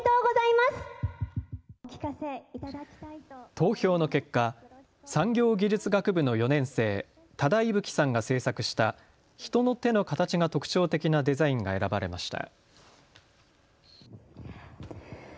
投票の結果、産業技術学部の４年生、多田伊吹さんが制作した人の手の形が特徴的なデザインが選ばれました。